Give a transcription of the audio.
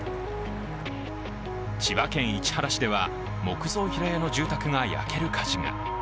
千葉県市原市では、木造平屋の住宅が焼ける火事が。